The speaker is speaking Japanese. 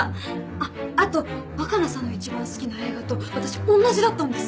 あっあと若菜さんの一番好きな映画と私おんなじだったんです。